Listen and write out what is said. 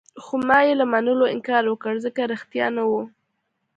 خو ما يې له منلو انکار وکړ، ځکه ريښتیا نه وو.